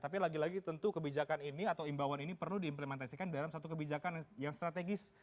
tapi lagi lagi tentu kebijakan ini atau imbauan ini perlu diimplementasikan dalam satu kebijakan yang strategis